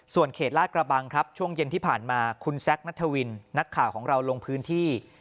ส่วนเขตลาดกระบังครับช่วงเย็นที่ผ่านมาคุณแซคนัทวินนักข่าวของเราลงพื้นที่